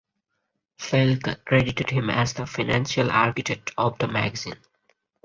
Felker credited him as the "financial architect" of the magazine.